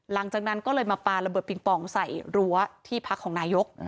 หลังจากนั้นก็เลยมาปลาระเบิดปิงปองใส่รั้วที่พักของนายก